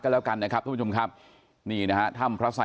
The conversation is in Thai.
ก็เลยทำให้ต้องตั้งคำถามของพระมา